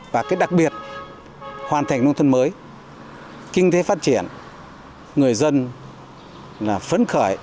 và cái đặc biệt hoàn thành nông thuật mới kinh tế phát triển người dân phấn khởi